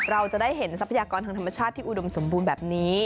เราจะได้เห็นทรัพยากรทางธรรมชาติที่อุดมสมบูรณ์แบบนี้